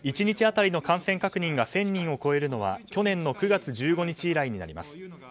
１日当たりの感染確認が１０００人を超えるのは去年の９月１５日以来となります。